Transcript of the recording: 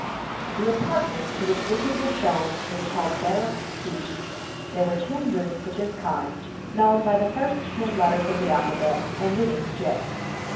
The apartment to which Richard was shown was called "Barrack B." There were ten rooms of this kind, known by the first ten letters of the alphabet, omitting J.